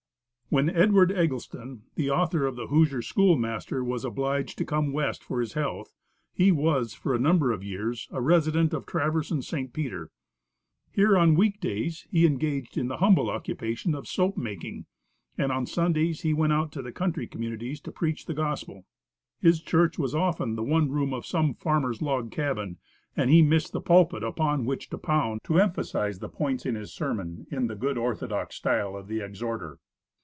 When Edward Eggleston, the author of the "Hoosier Schoolmaster," was obliged to come west for his health, he was, for a number of years, a resident of Traverse, and St. Peter. Here on week days he engaged in the humble occupation of soap making, and on Sundays he went out to the country communities to preach the gospel. His church was often the one room of some farmer's log cabin, and he missed the pulpit upon which to pound, to emphasize the points in his sermon in the good orthodox style of the exhorter.